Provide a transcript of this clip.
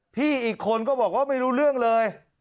อีกคนก็บอกว่าไม่รู้เรื่องเลย